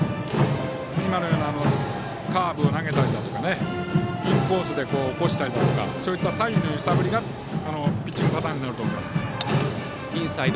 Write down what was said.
今のようなカーブを投げたりインコースで起こしたりそういった左右の揺さぶりがピッチングパターンになると思います。